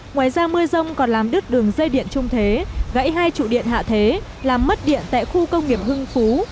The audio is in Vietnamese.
ngoài ra mưa rông còn làm đứt đường dây điện trung thế gãy hai trụ điện hạ thế làm mất điện tại khu công nghiệp hưng phú